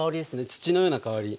土のような香り。